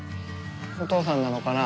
お父さんなのかな？